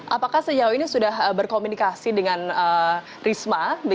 apakah sejauh ini sudah berkomunikasi dengan risma